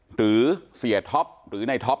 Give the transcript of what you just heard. หรือเสียท็อปหรือในท็อป